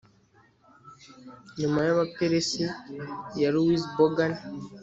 Nyuma yAbaperesi ya Louise Bogan